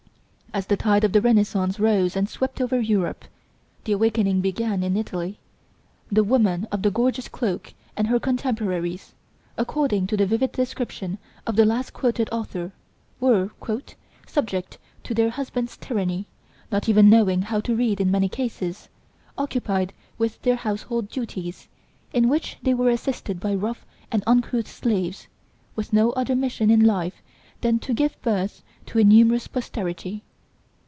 As the tide of the Renaissance rose and swept over Europe (the awakening began in Italy), the woman of the gorgeous cloak and her contemporaries, according to the vivid description of the last quoted author, were "subject to their husbands' tyranny, not even knowing how to read in many cases, occupied with their household duties, in which they were assisted by rough and uncouth slaves, with no other mission in life than to give birth to a numerous posterity....